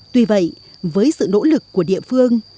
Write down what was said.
tuy vậy với sự nỗ lực của địa phương